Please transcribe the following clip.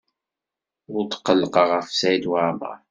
Ur tqellqeɣ ɣef Saɛid Waɛmaṛ.